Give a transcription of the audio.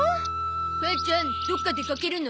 母ちゃんどこか出かけるの？